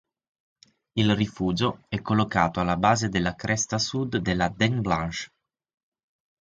Il rifugio è collocato alla base della cresta sud della Dent Blanche.